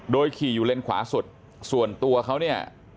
โดยขี่อยู่เลนขวาสุดส่วนตัวเขาเนี่ย